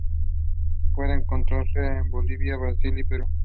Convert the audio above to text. Puede encontrarse en Bolivia, Brasil y Perú.